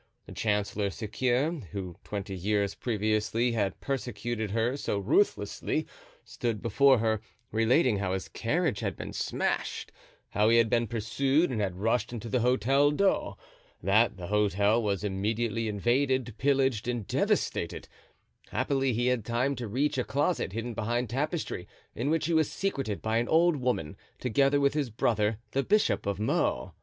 The Chancellor Sequier, who twenty years previously had persecuted her so ruthlessly, stood before her, relating how his carriage had been smashed, how he had been pursued and had rushed into the Hotel d'O——, that the hotel was immediately invaded, pillaged and devastated; happily he had time to reach a closet hidden behind tapestry, in which he was secreted by an old woman, together with his brother, the Bishop of Meaux.